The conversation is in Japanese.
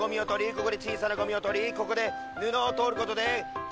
ここで小さなゴミを取りここで布を通ることでこされます